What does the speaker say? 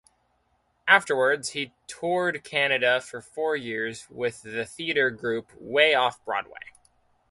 Afterwards he toured Canada for four years with the theatre group "Way Off Broadway".